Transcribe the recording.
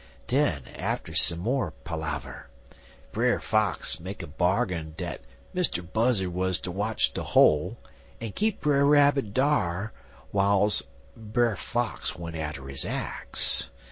"Den, atter some mo' palaver, Brer Fox make a bargain dat Mr. Buzzard wuz ter watch de hole, en keep Brer Rabbit dar wiles Brer Fox went atter his axe.